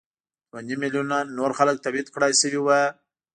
دوه نیم میلیونه نور خلک تبعید کړای شوي وو.